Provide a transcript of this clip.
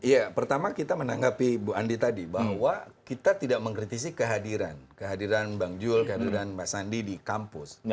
ya pertama kita menanggapi bu andi tadi bahwa kita tidak mengkritisi kehadiran kehadiran bang jul kehadiran mbak sandi di kampus